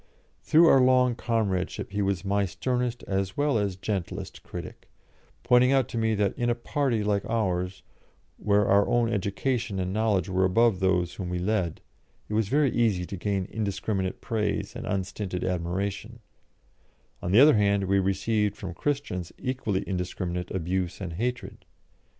Through our long comradeship he was my sternest as well as gentlest critic, pointing out to me that in a party like ours, where our own education and knowledge were above those whom we led, it was very easy to gain indiscriminate praise and unstinted admiration; on the other hand, we received from Christians equally indiscriminate abuse and hatred.